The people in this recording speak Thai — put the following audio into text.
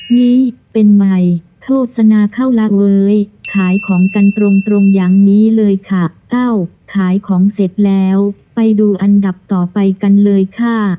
นี้เป็นใหม่โฆษณาเข้ารักเว้ยขายของกันตรงตรงอย่างนี้เลยค่ะอ้าวขายของเสร็จแล้วไปดูอันดับต่อไปกันเลยค่ะ